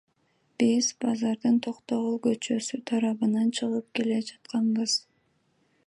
Биз базардын Токтогул көчөсү тарабынан чыгып келе жатканбыз.